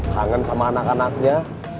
kangen sama anak anaknya